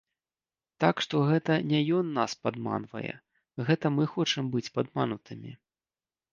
Так што гэта не ён нас падманвае, гэта мы хочам быць падманутымі.